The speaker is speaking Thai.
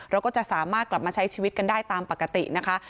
เราก็จะสามารถกลับมาใช้ชีวิตกันได้ตามปกตินะคะ